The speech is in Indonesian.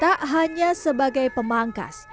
tak hanya sebagai pemangkas